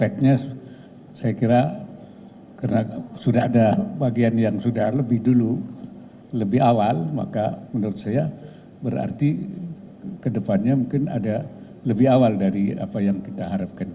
kalau ada bagian yang sudah lebih dulu lebih awal maka menurut saya berarti ke depannya mungkin ada lebih awal dari apa yang kita harapkan